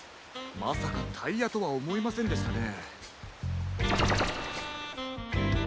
まさかタイヤとはおもいませんでしたね。